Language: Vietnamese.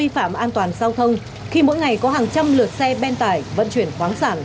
phạm an toàn giao thông khi mỗi ngày có hàng trăm lượt xe ben tải vận chuyển khoáng sản